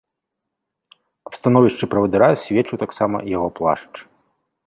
Аб становішчы правадыра сведчыў таксама яго плашч.